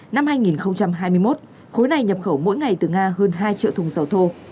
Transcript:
năm hai nghìn hai mươi một khối này nhập khẩu mỗi ngày từ nga hơn hai triệu thùng dầu thô